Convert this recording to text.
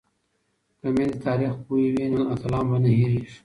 که میندې تاریخ پوهې وي نو اتلان به نه هیریږي.